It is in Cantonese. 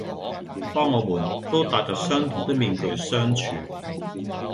當我們都帶着相同的面具相處